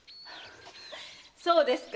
そうですか。